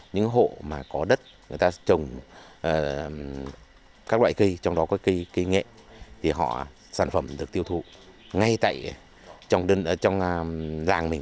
những hộ mà có đất người ta trồng các loại cây trong đó có cây nghệ thì họ sản phẩm được tiêu thụ ngay tại trong ràng mình trong thôn trong xã mình